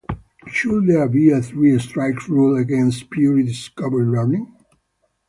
Should there be a three-strikes rule against pure discovery learning?